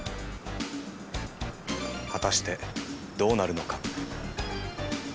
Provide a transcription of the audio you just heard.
果たしてどうなるのか？